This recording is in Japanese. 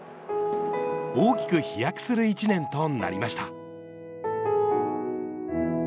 大きく飛躍する１年となりました。